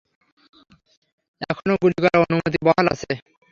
এখনো গুলি করার অনুমতি বহাল আছে?